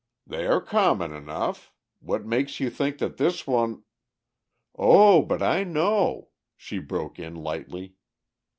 "They are common enough. What makes you think that this one..." "Oh, but I know," she broke in lightly.